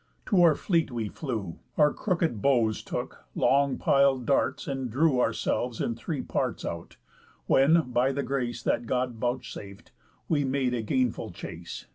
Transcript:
To our fleet we flew, Our crooked bows took, long pil'd darts, and drew Ourselves in three parts out; when, by the grace That God vouchsaf'd, we made a gainful chace.